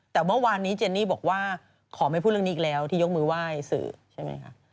แต่เมื่อวานนี้เจนนี่บอกว่าขอไม่พูดเรื่องนี้อีกแล้วที่ยกมือไหว้สื่อใช่ไหมคะ